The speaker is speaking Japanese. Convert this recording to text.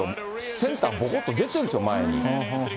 センターぼこっと出てるんですよ、前に。